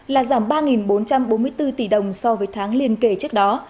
là giảm ba bốn trăm bốn mươi bốn tỷ đồng so với tháng liên kể trước đó